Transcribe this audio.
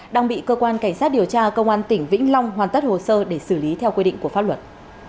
đang bị cơ quan cảnh sát điều tra công an tỉnh vĩnh long hoàn tất hồ sơ để xử lý theo quy định của pháp luật